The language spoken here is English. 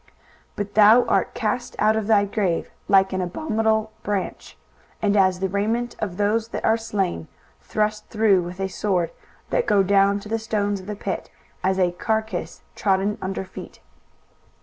23:014:019 But thou art cast out of thy grave like an abominable branch, and as the raiment of those that are slain, thrust through with a sword, that go down to the stones of the pit; as a carcase trodden under feet.